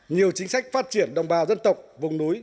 nhiều chính sách phát triển đồng bào dân tộc vùng núi